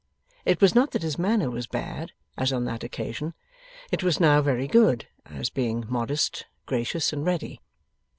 It was not that his manner was bad, as on that occasion; it was now very good, as being modest, gracious, and ready.